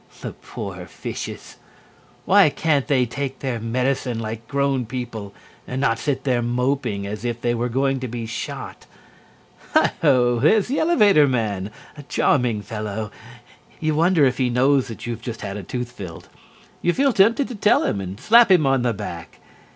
The poor fishes! Why can't they take their medicine like grown people and not sit there moping as if they were going to be shot? Heigh ho! Here's the elevator man! A charming fellow! You wonder if he knows that you have just had a tooth filled. You feel tempted to tell him and slap him on the back.